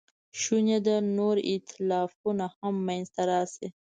شونې ده نور ایتلافونه هم منځ ته راشي.